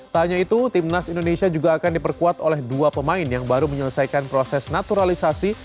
tak hanya itu timnas indonesia juga akan diperkuat oleh dua pemain yang baru menyelesaikan proses naturalisasi